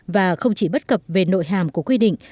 và không chỉ bất cập về nội hàm của quy định